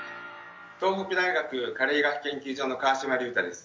東北大学加齢医学研究所の川島隆太です。